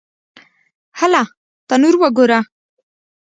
_هله! تنور وګوره!